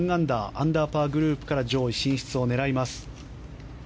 アンダーパーグループから上位進出を狙います。